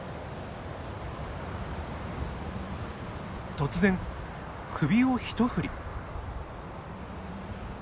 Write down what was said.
突然首を一振り。